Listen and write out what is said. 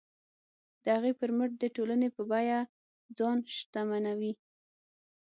د هغې پر مټ د ټولنې په بیه ځان شتمنوي.